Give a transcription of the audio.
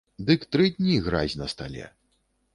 Дык тры дні гразь на стале.